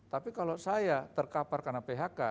tapi kalau saya terkapar karena phk